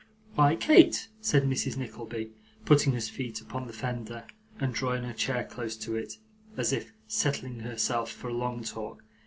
'Why, Kate,' said Mrs. Nickleby, putting her feet upon the fender, and drawing her chair close to it, as if settling herself for a long talk.